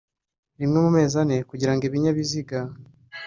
rimwe mu mezi ane kugira ngo Ibinyabiziga